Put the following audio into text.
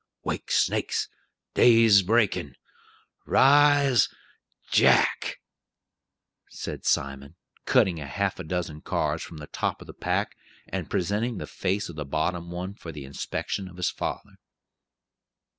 "Wake snakes! day's a breakin'! Rise, Jack!" said Simon, cutting half a dozen cards from the top of the pack, and presenting the face of the bottom one for the inspection of his father.